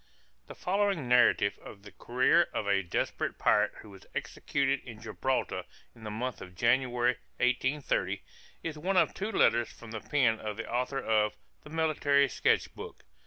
The following narrative of the career of a desperate pirate who was executed in Gibraltar in the month of January, 1830, is one of two letters from the pen of the author of "the Military Sketch Book."